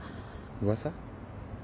噂？